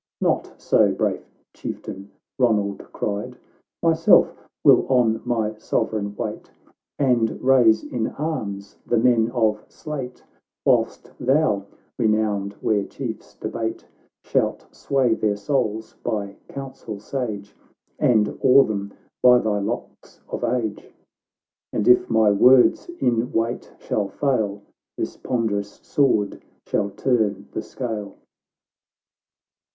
— "Not so, brave Chieftain," Eonald cried; " Myself will on my Sovereign wait, And raise in arms the men of Sleate, Whilst thou, renowned where chiefs debate, Shalt sway their souls by counsel sage, And awe them by thy locks of age." —" And if my words in weight shall fail, This ponderous sword shall turn the scale."